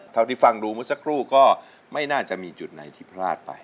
เท่าที่ฟังดูเมื่อสักครู่ก็ไม่น่าจะมีจุดไหนที่พลาดไป